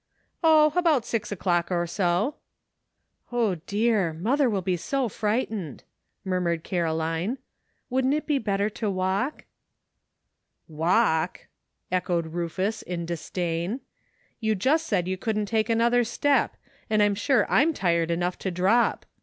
Oh ! about six o'clock or so." "O, dear! mother will be so frightened," murmured Caroline. "Wouldn't it be better to walk?" "Walk!" echoed Rufus, in disdain; "you just said you couldn't take another step, and I'm sure I'm tired enough to drop.